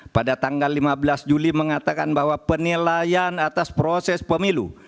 pada tanggal lima belas juli mengatakan bahwa penilaian atas proses pemilu